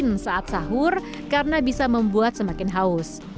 jangan lupa untuk membuat sahur karena bisa membuat semakin haus